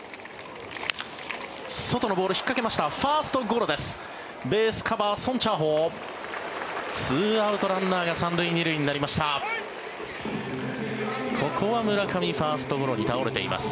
外のボール、引っかけましたファーストゴロです。